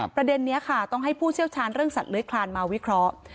ประเด็นนี้ค่ะต้องให้ผู้เชี่ยวชาญเรื่องสัตว์เลื้อยคลานมาวิเคราะห์